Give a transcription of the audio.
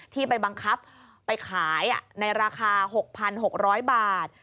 ที่ไปบังคับไปขายในราคา๖๖๐๐บาท